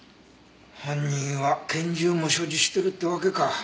犯人は拳銃も所持してるってわけか。